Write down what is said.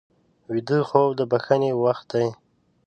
ویده خوب د بښنې وخت دی